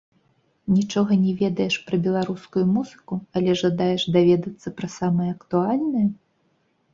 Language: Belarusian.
Нічога не ведаеш пра беларускую музыку, але жадаеш даведацца пра самае актуальнае?